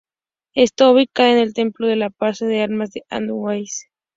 Está ubicada en El templo en la plaza de armas de Andahuaylas.